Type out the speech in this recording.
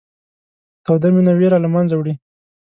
توده مینه وېره له منځه وړي.